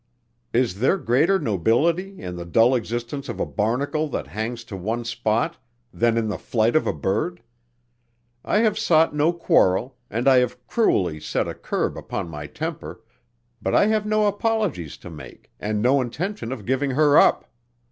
Is there greater nobility in the dull existence of a barnacle that hangs to one spot than in the flight of a bird? I have sought no quarrel and I have cruelly set a curb upon my temper, but I have no apologies to make and no intention of giving her up.